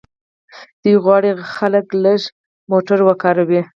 دوی غواړي خلک لږ موټر وکاروي.